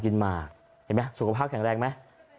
กินหมักสุขภาพแข็งแรงไหม